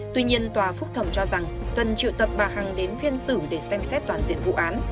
tuy nhiên tòa phúc thẩm cho rằng cần triệu tập bà hằng đến phiên xử để xem xét toàn diện vụ án